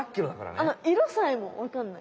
あの色さえもわかんない。